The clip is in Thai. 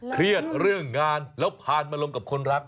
เครียดเรื่องงานแล้วผ่านมาลงกับคนรัก